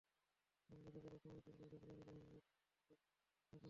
সংঘর্ষ চলার সময় ফুলবাড়ি গ্রামের হবিবর রহমান হঠাৎ হৃদ্রোগে আক্রান্ত হন।